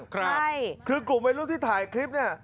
ใช่คือกลุ่มวัยรุ่นที่ถ่ายคลิปเนี่ย